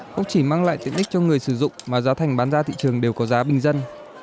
không chỉ mang lại tiện đích cho người sử dụng mà giá thành bán ra thị trường đều có giá bình dân